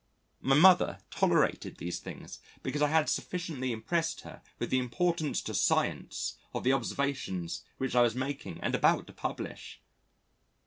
My mother tolerated these things because I had sufficiently impressed her with the importance to science of the observations which I was making and about to publish.